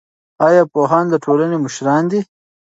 ایا پوهان د ټولنې مشران نه دي؟